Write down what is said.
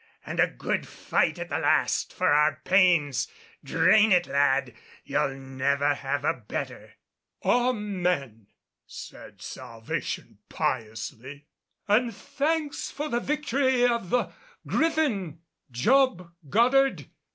And a good fight at the last for our pains! Drain it, lad, you'll never have a better." "Amen!" said Salvation, piously. "And thanks for the victory of the Griffin, Job Goddard.